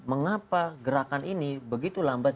mengapa gerakan ini begitu lambat